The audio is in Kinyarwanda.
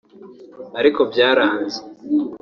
ariko byaranze